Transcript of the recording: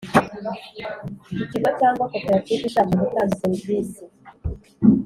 Ikigo cyangwa koperative ishaka gutanga serivisi